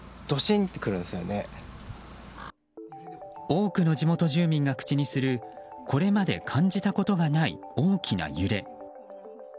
多くの地元住民が口にするこれまで感じたことがない大きな揺れ。